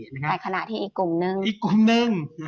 แต่ขณะที่อีกกลุ่มนึง